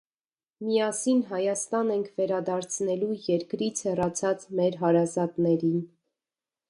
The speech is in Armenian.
Միասին Հայաստան ենք վերադարձնելու երկրից հեռացած մեր հարազատներին: